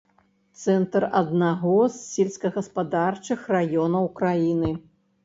Цэнтр аднаго з сельскагаспадарчых раёнаў краіны.